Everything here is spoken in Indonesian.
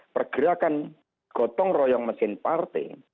pergerakan gotong royong mesin partai